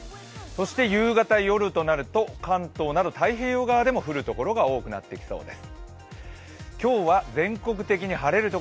そして夕方、夜となると関東など夕方でも降るところが多くなってきそうです。